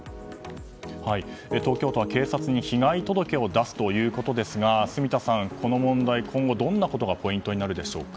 東京都は警察に被害届を出すということですが住田さん、この問題今後どんなことがポイントになるでしょうか。